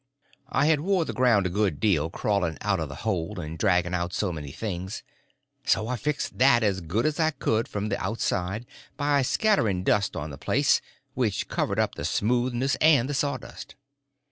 I had wore the ground a good deal crawling out of the hole and dragging out so many things. So I fixed that as good as I could from the outside by scattering dust on the place, which covered up the smoothness and the sawdust.